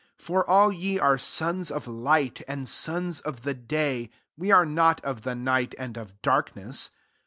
5 For all ye are sons of light, and sons of the day ; we are not of the night and of darkness.